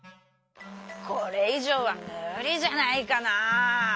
「これいじょうはむりじゃないかなあ」。